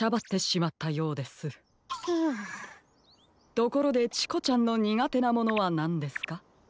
ところでチコちゃんのにがてなものはなんですか？